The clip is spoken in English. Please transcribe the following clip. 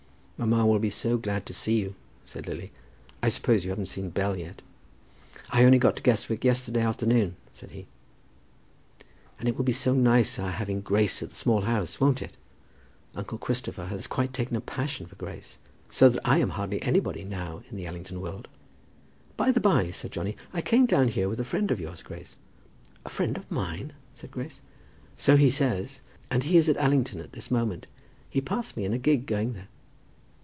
"Mamma will be so glad to see you," said Lily. "I suppose you haven't seen Bell yet?" "I only got to Guestwick yesterday afternoon," said he. "And it will be so nice our having Grace at the Small House; won't it? Uncle Christopher has quite taken a passion for Grace, so that I am hardly anybody now in the Allington world." "By the by," said Johnny, "I came down here with a friend of yours, Grace." "A friend of mine?" said Grace. "So he says, and he is at Allington at this moment. He passed me in a gig going there."